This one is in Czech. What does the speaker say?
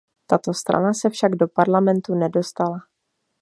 Tato strana se však do parlamentu nedostala.